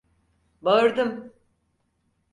Bağırdım…